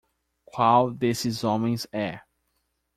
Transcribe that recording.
Qual desses homens é?